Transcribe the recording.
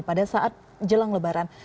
pada saat jelang lebaran